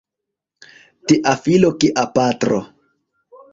Tia filo kia patro!